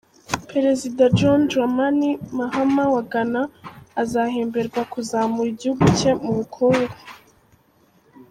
Perezida John Dramani Mahama wa Ghana, azahemberwa kuzamura igihugu cye mu bukungu.